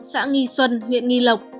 xã nghi xuân huyện nghi lộc